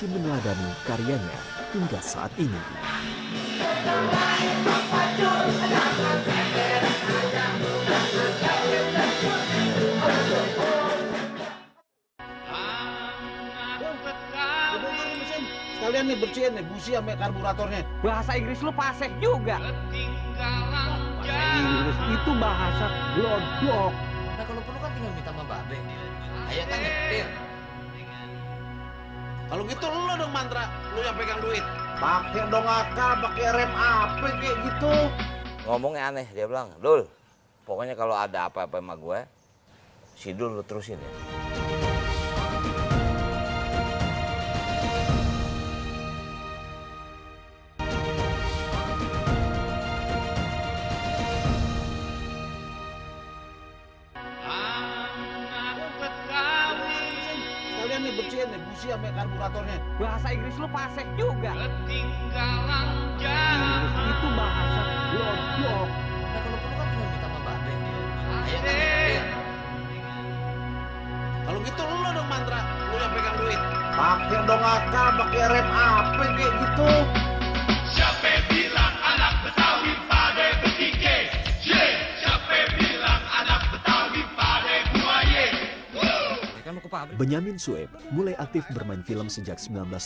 benyamin sueb mulai aktif bermain film sejak seribu sembilan ratus tujuh puluh